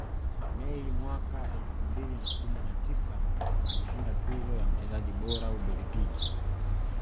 Mei mwaka elfu mbili na kumi na tisa aliishinda tuzo ya mchezaji bora Ubelgiji